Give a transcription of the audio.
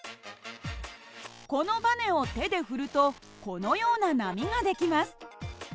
このばねを手で振るとこのような波が出来ます。